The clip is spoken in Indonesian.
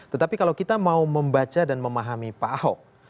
tetapi kalau kita mau membaca dan memahami pak ahok